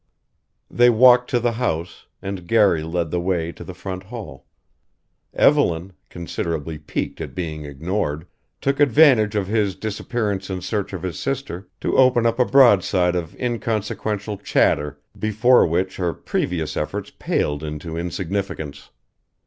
They walked to the house and Garry led the way to the front hall. Evelyn, considerably piqued at being ignored, took advantage of his disappearance in search of his sister, to open up a broadside of inconsequential chatter before which her previous efforts paled into insignificance.